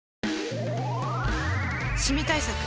シミ対策